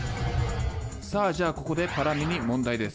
さあじゃあここでパラミに問題です。